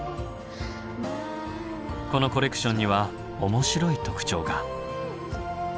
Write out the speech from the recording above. このコレクションには面白い特徴が。